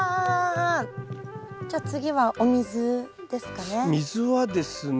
じゃあ次はお水ですかね？